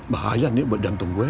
bahaya nih buat jantung gue